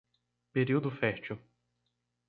Período fértil